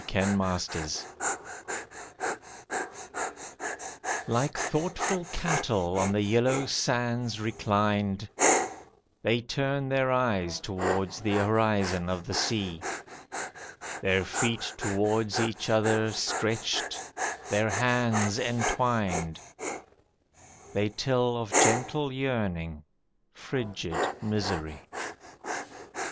Condemned Women Like thoughtful cattle on the yellow sands reclined, They turn their eyes towards the horizon of the sea, Their feet towards each other stretched, their hands entwined, They tell of gentle yearning, frigid misery.